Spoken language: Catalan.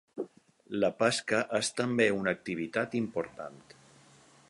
La pesca és també una activitat important.